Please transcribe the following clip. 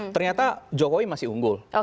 ternyata jokowi masih unggul